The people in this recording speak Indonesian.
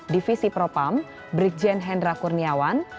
divisi propam brigjen hendra kurniawan